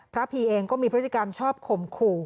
พีเองก็มีพฤติกรรมชอบข่มขู่